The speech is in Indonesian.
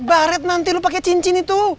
baret nanti lo pakai cincin itu